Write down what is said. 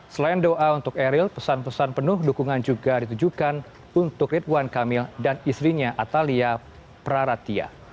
selain doa untuk eril pesan pesan penuh dukungan juga ditujukan untuk ridwan kamil dan istrinya atalia praratia